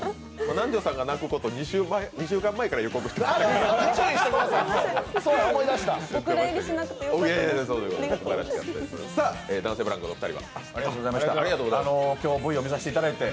南條さんが泣くこと、２週間前から予告してて。